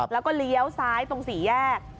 แล้วก็เลี้ยวซ้ายตรงสี่แยก